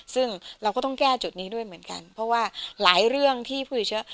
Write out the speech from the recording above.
ซึ่งเราก็ต้องแก้จุดนี้ด้วยเหมือนกันเพราะว่าหลายเรื่องที่ผู้ติดเชื้อ